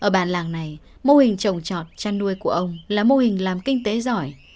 bạn làng này mô hình trồng trọt chăn nuôi của ông là mô hình làm kinh tế giỏi